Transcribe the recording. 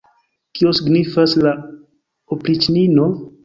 Kio signifas la opriĉnino?